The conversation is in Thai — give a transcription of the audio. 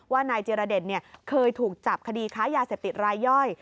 นายจิรเดชเคยถูกจับคดีค้ายาเสพติดรายย่อย